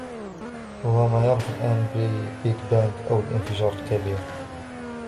وهو ما يعرف الآن بـ بيغ بانغ أو الانفجار الكبير